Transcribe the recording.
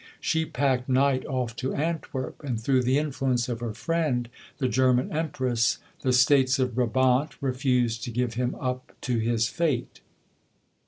She packed Knight off to Antwerp; and, through the influence of her friend, the German Empress, the States of Brabant refused to give him up to his fate.